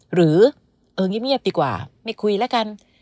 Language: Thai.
หรือเออเงียบดีกว่าไม่คุยแล้วกัน